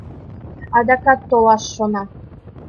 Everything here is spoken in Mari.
Адакат толаш шона.